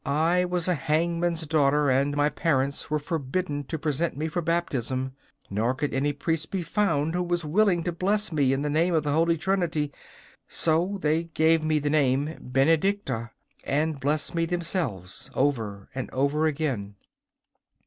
I was a hangman's daughter, and my parents were forbidden to present me for baptism; nor could any priest be found who was willing to bless me in the name of the Holy Trinity. So they gave me the name Benedicta, and blessed me themselves, over and over again.